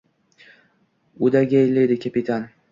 o`dag`ayladi kapitan